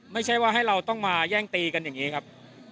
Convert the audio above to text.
ไม่ใช่ว่าให้เราต้องมาแย่งตีกันอย่างนี้ครับ